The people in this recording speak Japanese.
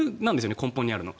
根本にあるのが。